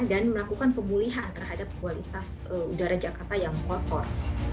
dan melakukan pemulihan terhadap kualitas udara jakarta yang kotor